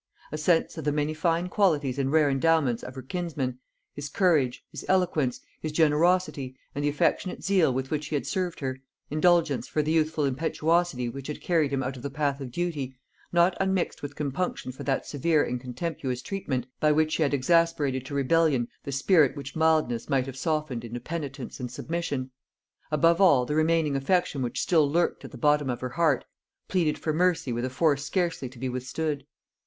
A sense of the many fine qualities and rare endowments of her kinsman, his courage, his eloquence, his generosity, and the affectionate zeal with which he had served her: indulgence for the youthful impetuosity which had carried him out of the path of duty, not unmixed with compunction for that severe and contemptuous treatment by which she had exasperated to rebellion the spirit which mildness might have softened into penitence and submission; above all, the remaining affection which still lurked at the bottom of her heart, pleaded for mercy with a force scarcely to be withstood.